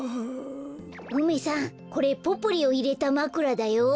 梅さんこれポプリをいれたまくらだよ。